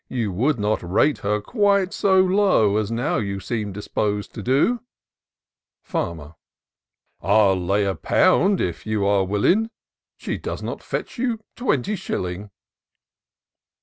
You would not rate her quite so low As now you seem dispos'd to do," Farmer, " I'll lay a pound, if you are willing. She does not fetch you twenty shilling."